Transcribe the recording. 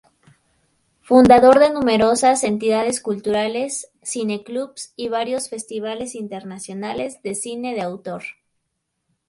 Fundador de numerosas entidades culturales, cine-clubs y varios festivales internacionales de cine de autor.